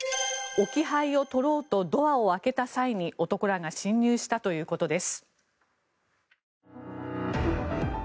置き配を取ろうとドアを開けた際に男らが侵入したということです。